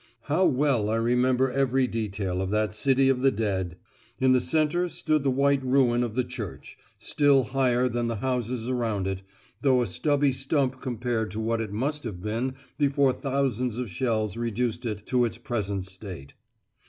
How well I remember every detail of that city of the dead! In the centre stood the white ruin of the church, still higher than the houses around it, though a stubby stump compared to what it must have been before thousands of shells reduced it to its present state.